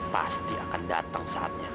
pasti akan datang saatnya